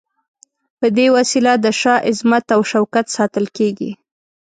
په دې وسیله د شاه عظمت او شوکت ساتل کیږي.